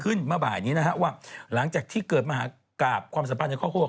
เมื่อบ่ายนี้นะฮะว่าหลังจากที่เกิดมหากราบความสัมพันธ์ในครอบครัว